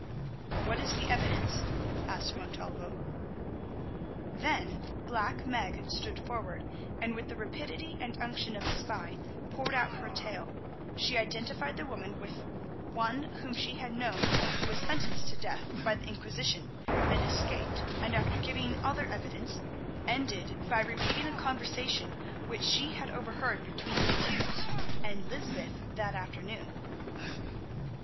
"What is the evidence?" asked Montalvo. Then Black Meg stood forward, and, with the rapidity and unction of a spy, poured out her tale. She identified the woman with one whom she had known who was sentenced to death by the Inquisition and escaped, and, after giving other evidence, ended by repeating the conversation which she had overheard between the accused and Lysbeth that afternoon.